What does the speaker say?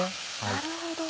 なるほど。